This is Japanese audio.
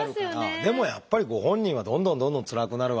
でもやっぱりご本人はどんどんどんどんつらくなるわけだし。